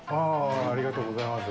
ありがとうございます。